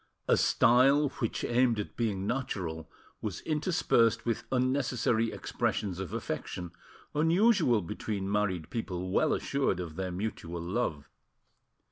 A style which aimed at being natural was interspersed with unnecessary expressions of affection, unusual between married people well assured of their mutual love.